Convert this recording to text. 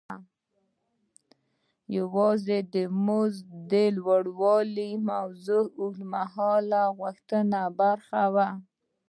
یوازې د مزد د لوړولو موضوع د اوږد مهاله غوښتنو برخه وه.